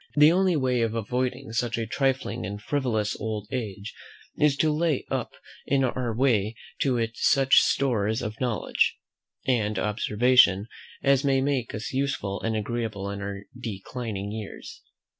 The only way of avoiding such a trifling and frivolous old age is to lay up in our way to it such stores of knowledge and observation as may make us useful and agreeable in our declining years.